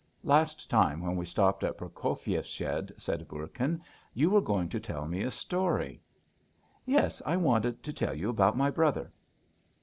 "Last time, when we stopped in Prokofyi's shed," said Bourkin, "you were going to tell me a story." "Yes. I wanted to tell you about my brother."